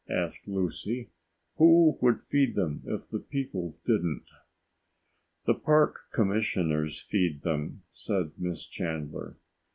asked Lucy. "Who would feed them if the people didn't?" "The park commissioners feed them," said Miss Chandler.